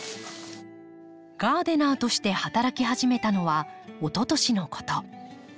ガーデナーとして働き始めたのはおととしのこと。